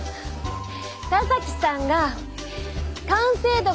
田崎さんが完成度が高い